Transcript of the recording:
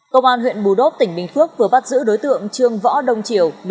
công an huyện bù đốc tỉnh bình phước vừa bắt giữ đối tượng trương võ đông triều một mươi bảy tuổi